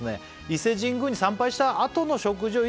「伊勢神宮に参拝した後の食事を」